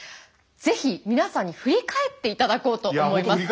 是非皆さんに振り返っていただこうと思います。